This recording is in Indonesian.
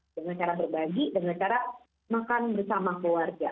dengan cara berbagi dengan cara makan bersama keluarga